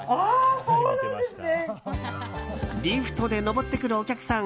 リフトで登ってくるお客さん